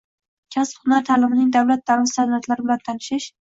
kasb-hunar ta’limining davlat ta’lim standartlari bilan tanishish